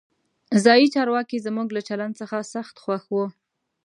ځایي چارواکي زموږ له چلند څخه سخت خوښ وو.